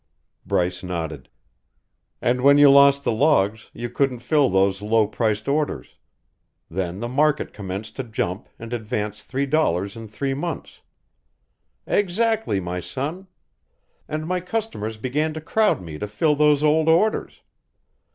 Bryce nodded. "And when you lost the logs, you couldn't fill those low priced orders. Then the market commenced to jump and advanced three dollars in three months " "Exactly, my son. And my customers began to crowd me to fill those old orders.